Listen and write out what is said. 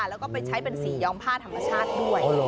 แล้วก็ไปใช้เป็นสีย้อมผ้าธรรมชาติด้วย